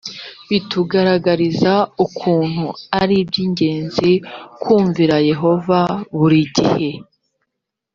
bitugaragariza ukuntu ari iby ingenzi kumvira yehova buri gihe